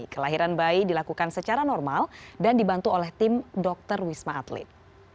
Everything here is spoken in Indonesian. kelahiran bayi dilakukan secara normal dan dibantu oleh tim dokter wisma atlet